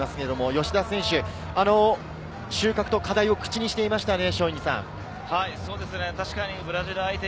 吉田選手、収穫と課題を口にしていましたね。